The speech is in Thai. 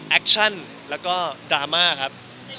คชั่นแล้วก็ดราม่าครับ